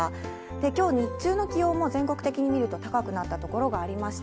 きょう日中の気温も全国的に見ると高くなった所がありました。